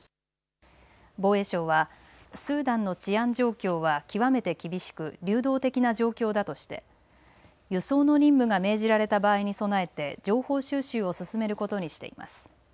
防衛省はスーダンの治安状況は極めて厳しく流動的な状況だとして輸送の任務が命じられた場合に備えて情報収集を進めることにしています。